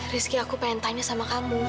rizky aku pengen tanya sama kamu